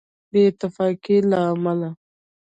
بې اتفاقۍ له امله.